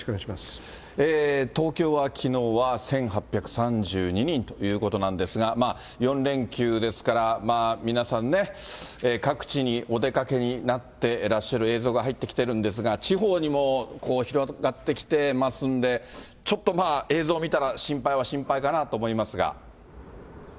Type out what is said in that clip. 東京はきのうは１８３２人ということなんですが、４連休ですから、皆さんね、各地にお出かけになってらっしゃる映像が入ってきてるんですが、地方にも広がってきてますんで、ちょっとまあ、映像見たら、心配は心配かなと思いますが。